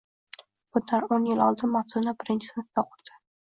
Bundan o`n yil oldin Maftuna birinchi sinfda o`qirdi